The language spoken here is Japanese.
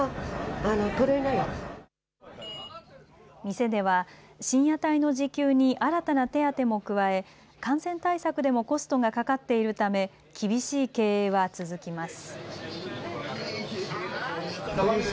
店では深夜帯の時給に新たな手当も加え感染対策でもコストがかかっているため、厳しい経営は続きます。